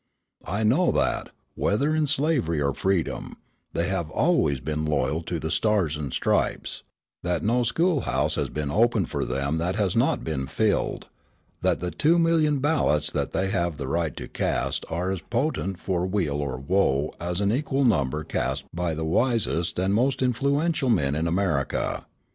I know that, whether in slavery or freedom, they have always been loyal to the Stars and Stripes, that no school house has been opened for them that has not been filled, that the 2,000,000 ballots that they have the right to cast are as potent for weal or woe as an equal number cast by the wisest and most influential men in America.